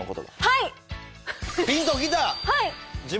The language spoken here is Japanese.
はい。